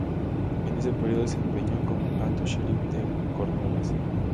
En ese período se desempeñó como Alto Sheriff de Cornualles.